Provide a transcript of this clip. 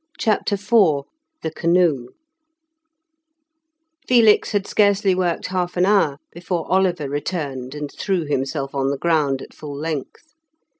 CHAPTER IV THE CANOE Felix had scarcely worked half an hour before Oliver returned and threw himself on the ground at full length.